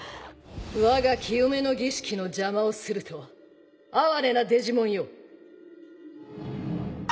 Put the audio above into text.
わが清めの儀式の邪魔をするとは哀れなデジモンよ。